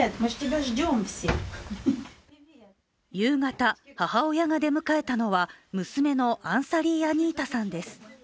夕方、母親が出迎えたのは娘のアンサリー・アニータさんです。